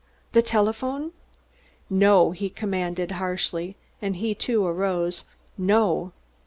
The telephone?" "No," he commanded harshly, and he, too, arose. "No."